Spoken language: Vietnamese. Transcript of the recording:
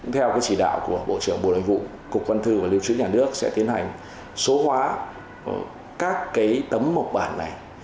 theo chỉ đạo của bộ trưởng bộ nội vụ cục văn thư và lưu trữ nhà nước sẽ tiến hành số hóa các cái tấm mộc bản này